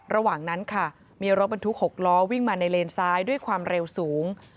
ระหว่างนั้นค่ะมีรถบรรทุก๖ล้อวิ่งมาในเลนซ้ายด้วยความเร็วสูง